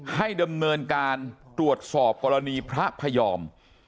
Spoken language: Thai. ให้ดำเนินการตรวจสอบกรณีพระพยอม